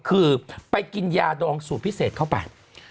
คือไปกินยาดองสูตรพิเศษเข้าไป